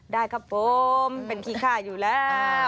ได้ครับผมเป็นขี้ค่าอยู่แล้ว